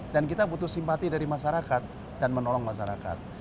dan kita butuh simpati dari masyarakat dan menolong masyarakat